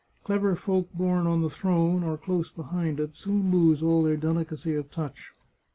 Clever folk born on the throne, or close behind it, soon lose all their delicacy of touch.